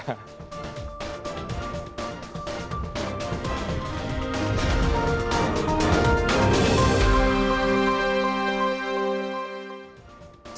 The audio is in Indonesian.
oke terima kasih